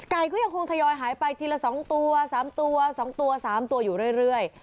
ก็ยังคงทยอยหายไปทีละ๒ตัว๓ตัว๒ตัว๓ตัวอยู่เรื่อย